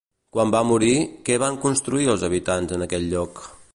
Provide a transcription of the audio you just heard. Quan va morir, què van construir els habitants en aquell lloc?